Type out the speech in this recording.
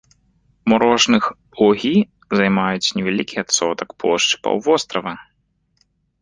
Мурожных лугі займаюць невялікі адсотак плошчы паўвострава.